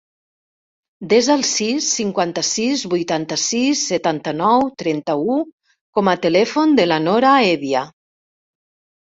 Desa el sis, cinquanta-sis, vuitanta-sis, setanta-nou, trenta-u com a telèfon de la Nora Hevia.